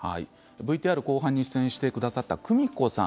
ＶＴＲ後半に出演してくださったクミコさん